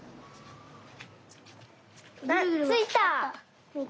ついた！